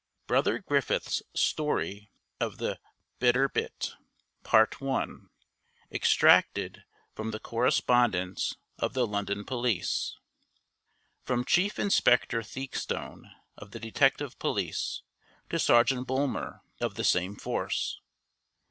BROTHER GRIFFITH'S STORY of THE BITER BIT. Extracted from the Correspondence of the London Police. FROM CHIEF INSPECTOR THEAKSTONE, OF THE DETECTIVE POLICE, TO SERGEANT BULMER, OF THE SAME FORCE.